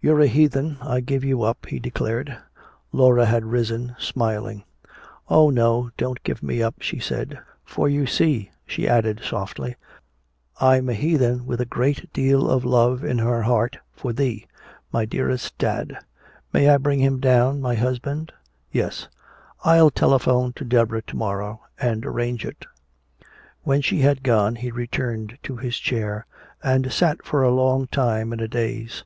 "You're a heathen. I give you up," he declared. Laura had risen, smiling. "Oh, no, don't give me up," she said. "For you see," she added softly, "I'm a heathen with a great deal of love in her heart for thee, my dearest dad. May I bring him down, my husband?" "Yes " "I'll telephone to Deborah to morrow and arrange it." When she had gone he returned to his chair and sat for a long time in a daze.